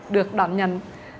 được đón nhận